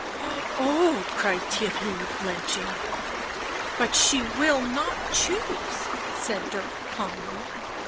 " Oh !" cried Theirry, blenching. " But, she will not choose," said Dirk calmly.